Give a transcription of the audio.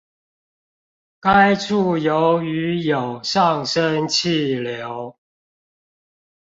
該處由於有上升氣流